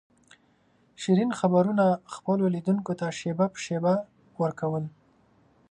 شیرین خبرونه خپلو لیدونکو ته شېبه په شېبه ور کول.